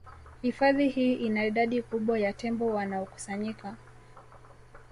Hifadhi hii ina idadi kubwa ya tembo wanaokusanyika